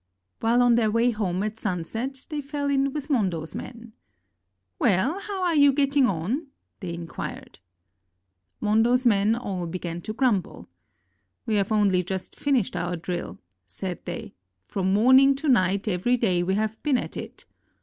While on their way home at sunset, they fell in with Mondo's men. "Well, how are you getting on?" they inquired. Mondo's men all began to grumble. "We have only just finished our drill," said they. "From morning to night, every day we have been at it.